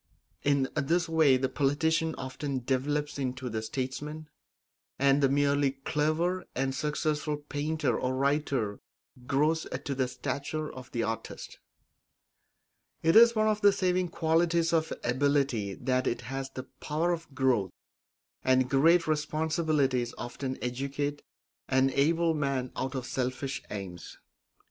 In this way the politician often develops into the statesman, and the merely clever and successful painter or writer grows to the stature of the artist. It is one of the saving qualities of ability that it has the power of growth, and great responsibilities often educate an able man out of selfish aims.